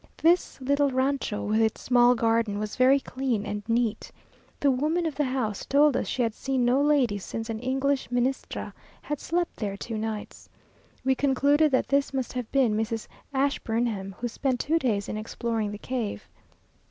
This little rancho, with its small garden, was very clean and neat. The woman of the house told us she had seen no ladies since an English Ministra had slept there two nights. We concluded that this must have been Mrs. Ashburnham, who spent two days in exploring the cave.